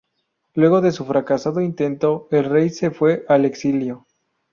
Luego de su fracasado intento el rey se fue al exilio.